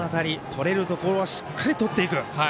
とれるところはしっかりとっていく。